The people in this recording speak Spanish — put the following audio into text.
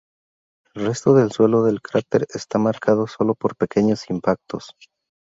El resto del suelo del cráter está marcado solo por pequeños impactos.